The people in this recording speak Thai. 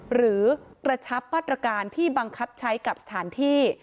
หรือกระชับมาตรการที่บังคับใช้กับสถานที่